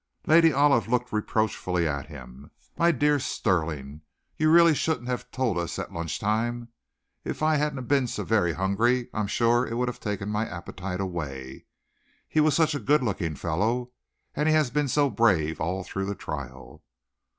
Lady Olive looked reproachfully at him. "My dear Stirling, you really shouldn't have told us at luncheon time. If I hadn't been so very hungry, I am sure it would have taken my appetite away. He was such a good looking fellow, and he has been so brave all through the trial."